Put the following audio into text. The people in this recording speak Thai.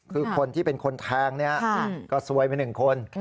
คือคนที่เป็นคนแทงก็ซวยไปหนึ่งคน